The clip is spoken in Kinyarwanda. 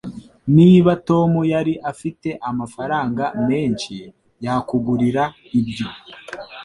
Niba Tom yari afite amafaranga menshi, yakugurira ibyo.